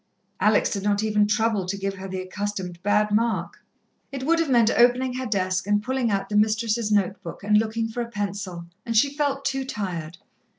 Alex did not even trouble to give her the accustomed bad mark. It would have meant opening her desk, and pulling out the mistress's note book, and looking for a pencil, and she felt too tired.